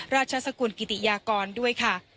ราชสกุลกิติยากรด้วยค่ะ